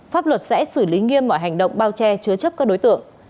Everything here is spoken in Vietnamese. pháp luật sẽ xử lý nghiêm mọi hành động bao che chứa chấp các đối tượng